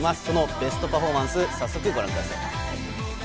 そのベストパフォーマンス、早速ご覧ください。